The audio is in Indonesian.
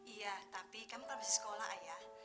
iya tapi kamu kan masih sekolah ayah